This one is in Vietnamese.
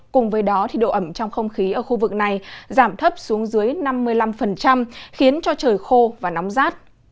cùng với đó độ ẩm trong không khí ở khu vực này giảm thấp xuống dưới năm mươi năm khiến cho trời khô và nóng rát